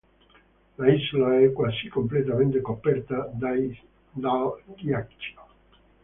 L'isola è quasi completamente coperta dal ghiaccio.